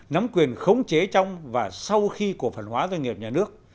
nắm quyền khống chế trong và sau khi cổ phần hóa doanh nghiệp nhà nước